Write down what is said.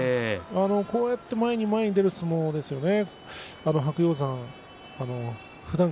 こうやって前に前に出る相撲ですよね、白鷹山は。